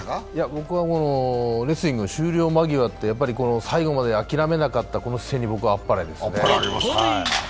僕は、レスリング、終了間際って、最後まで諦めなかったこの選手にあっぱれですね。